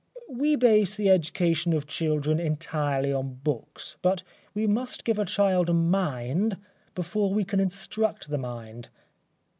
We base the education of children entirely on books, but we must give a child a mind before we can instruct the mind.